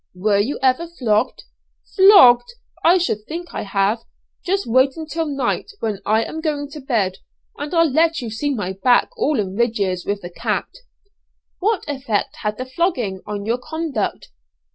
"Were you ever flogged?" "Flogged! I should think I have. Just wait until night, when I am going to bed, and I'll let you see my back all in ridges with the cat." "What effect had the flogging on your conduct?"